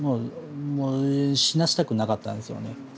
もう死なせたくなかったんですよね。